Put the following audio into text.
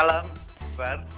selamat malam prof zubairi